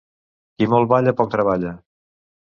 Qui molt balla, poc treballa.